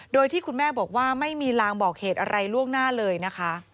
โดยที่คุณแม่บอกว่าไม่มีลางบอกเหตุอะไรล่วงหน้าเลยนะคะ